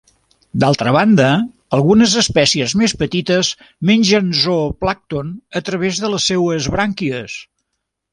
D'altra banda, algunes espècies més petites mengen zooplàncton a través de les seues brànquies.